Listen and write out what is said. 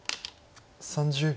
３０秒。